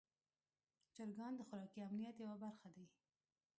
چرګان د خوراکي امنیت یوه برخه دي.